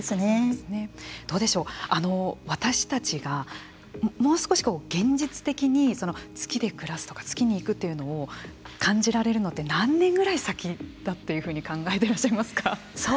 どうでしょう私たちがもう少し現実的に月で暮らすとか月に行くというのを感じられるのって何年ぐらい先だっていうふうに考えていらっしゃいますか。